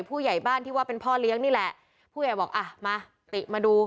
ผู้ใหญ่บ้านที่ว่าเป็นพ่อเลี้ยงนี่แหละผู้ใหญ่บอกอ่ะมาติมาดู